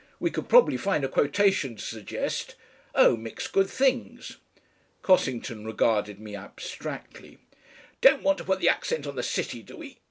"We could probably find a quotation to suggest oh! mixed good things." Cossington regarded me abstractedly. "Don't want to put the accent on the City, do we?"